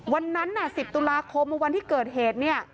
วันนั้น๑๐ตุลาคมวันที่เกิดเหตุเนี่ย